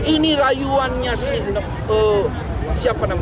ini rayuannya sih